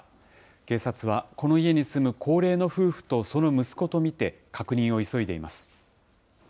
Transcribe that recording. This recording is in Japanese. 警察はこの家に住む高齢の夫婦とその息子と見て、確認を急いでいます。